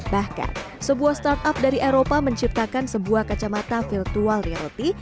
bahkan sebuah startup dari eropa menciptakan sebuah kacamata virtual di roti